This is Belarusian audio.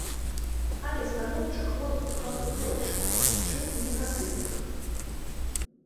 Але станоўчых водгукаў больш, чым негатыўных.